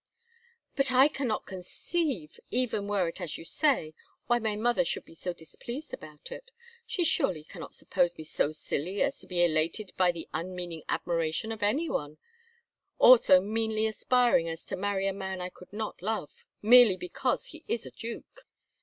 "But I cannot conceive, even were it as you say, why my mother should be so displeased about it. She surely cannot suppose me so silly as to be elated by the unmeaning admiration of anyone, or so meanly aspiring as to marry a man I could not love, merely because he is a Duke.